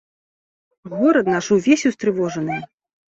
Горад наш увесь устрывожаны.